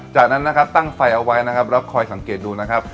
จากนั้นนะครับตั้งไฟเอาไว้นะครับแล้วคอยสังเกตดูนะครับ